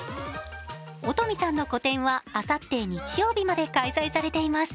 音海さんの個展はあさって日曜日まで開催されています。